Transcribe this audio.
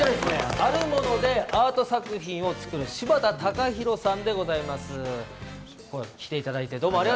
あるものでアート作品を作る、しばたたかひろさんでございます。